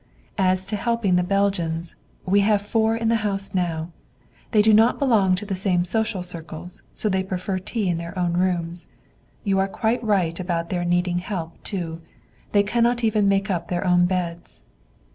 As to helping the Belgians, we have four in the house now. They do not belong to the same social circles, so they prefer tea in their own rooms. You are quite right about their needing help too. They cannot even make up their own beds."